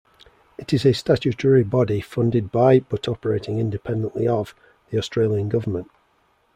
It is a statutory body funded by, but operating independently of, the Australian Government.